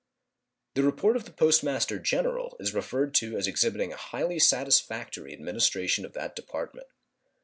The report of the Post Master General is referred to as exhibiting a highly satisfactory administration of that Department.